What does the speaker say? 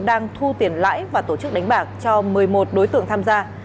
đang thu tiền lãi và tổ chức đánh bạc cho một mươi một đối tượng tham gia